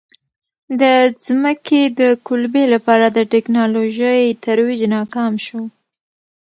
د ځمکې د قُلبې لپاره د ټکنالوژۍ ترویج ناکام شو.